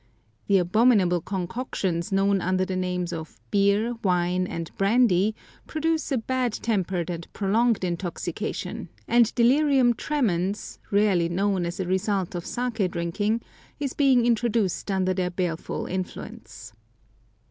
The abominable concoctions known under the names of beer, wine, and brandy, produce a bad tempered and prolonged intoxication, and delirium tremens, rarely known as a result of saké drinking, is being introduced under their baleful influence.